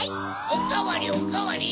おかわりおかわり！